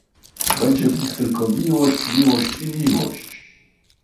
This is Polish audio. "Będzie w nich tylko miłość, miłość i miłość!"